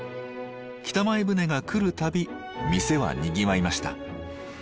北前船が来る度店は賑わいました。